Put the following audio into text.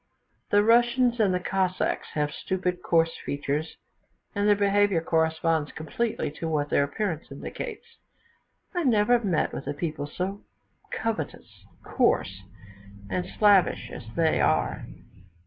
The Russians and the Cossacks have stupid coarse features, and their behaviour corresponds completely to what their appearance indicates; I never met with a people so covetous, coarse, and slavish as they are.